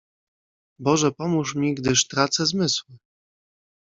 "Boże pomóż mi, gdyż tracę zmysły!"